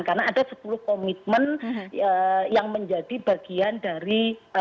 karena ada sepuluh komitmen yang menjadi bagian dari